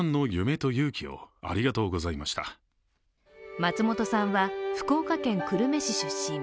松本さんは福岡県久留米市出身。